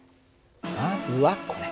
まずはこれ。